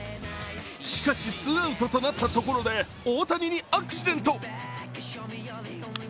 しかしツーアウトとなったところで大谷にアクシデント。